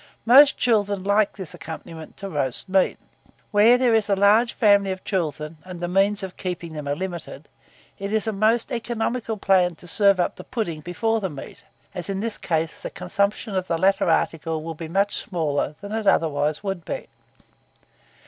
Most children like this accompaniment to roast meat. Where there is a large family of children, and the means of keeping them are limited, it is a most economical plan to serve up the pudding before the meat: as, in this case, the consumption of the latter article will be much smaller than it otherwise would be.